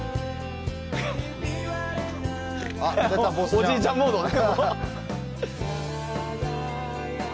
おじいちゃんモードね。